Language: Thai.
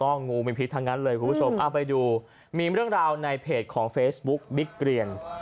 งูมีพิษทั้งนั้นเลยคุณผู้ชมเอาไปดูมีเรื่องราวในเพจของเฟซบุ๊กบิ๊กเกรียน